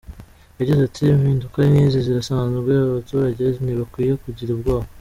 Yagize ati “Impinduka nk’izi zirasanzwe, abaturage ntibakwiye kugira ubwoba.